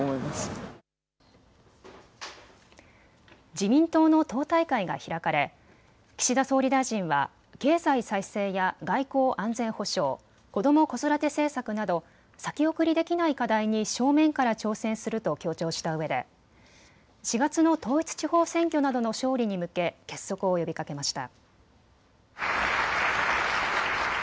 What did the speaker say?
自民党の党大会が開かれ岸田総理大臣は経済再生や外交・安全保障、こども・子育て政策など先送りできない課題に正面から挑戦すると強調したうえで４月の統一地方選挙などの勝利に向け結束を呼びかけました。